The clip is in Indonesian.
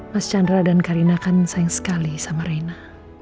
mas chandra dan karina kan sayang sekali sama reina